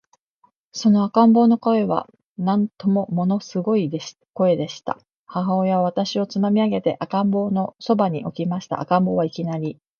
その赤ん坊の泣声は、なんとももの凄い声でした。母親は私をつまみ上げて、赤ん坊の傍に置きました。赤ん坊は、いきなり、